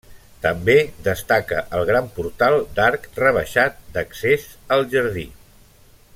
També destaca el gran portal d'arc rebaixat d'accés al jardí.